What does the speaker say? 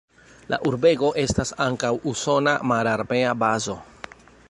La urbego estas ankaŭ usona mararmea bazo.